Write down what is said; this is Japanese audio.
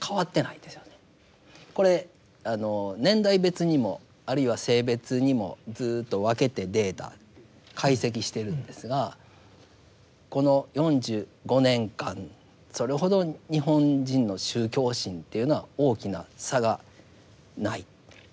これ年代別にもあるいは性別にもずっと分けてデータ解析しているんですがこの４５年間それほど日本人の宗教心というのは大きな差がない。